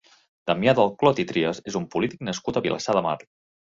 Damià del Clot i Trias és un polític nascut a Vilassar de Mar.